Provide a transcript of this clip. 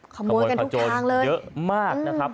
ขโมยพัจจนเยอะมากนะครับ